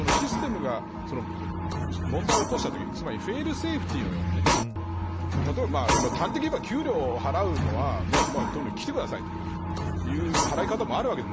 だけど、システムが問題を起こしたときつまりフェイルセーフティーのような端的に言えば、給料を払うのは来てくださいという払い方もあるわけです。